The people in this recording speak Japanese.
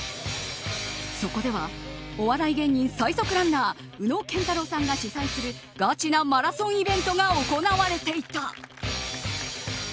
そこではお笑い芸人最速ランナー宇野けんたろうさんが主宰するガチなマラソンイベントが行われていた。